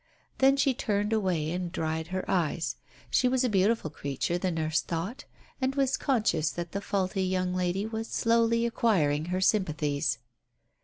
Then she turned away and dried her eyes. She was a beautiful creature, the nurse thought, and was conscious that the faulty young lady was slowly acquiring her sympathies.